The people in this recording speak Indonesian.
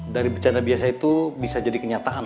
dari bencana biasa itu bisa jadi kenyataan